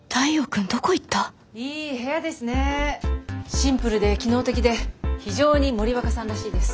シンプルで機能的で非常に森若さんらしいです。